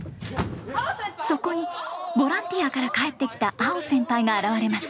そこにボランティアから帰ってきたアオ先輩が現れます。